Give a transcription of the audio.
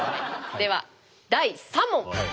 では第３問。